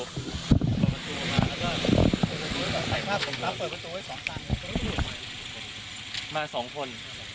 ใส่ภาพแล้วเปิดประตูไว้สองสามมาสองคน